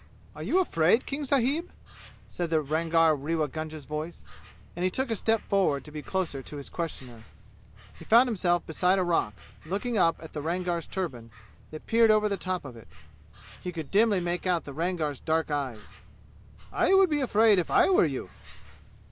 "Are you afraid, King sahib?" said the Rangar Rewa Gunga's voice, and he took a step forward to be closer to his questioner. He found himself beside a rock, looking up at the Rangar's turban, that peered over the top of it. He could dimly make out the Rangar's dark eyes. "I would be afraid if I were you!"